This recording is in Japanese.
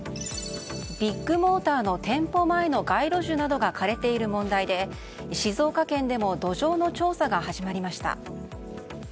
ビッグモーターの店舗前の街路樹などが枯れている問題で、静岡県でも土壌の調査が始まりました。